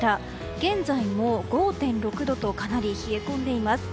現在も５．６度とかなり冷え込んでいます。